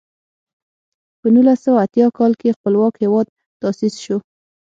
په نولس سوه اتیا کال کې خپلواک هېواد تاسیس شو.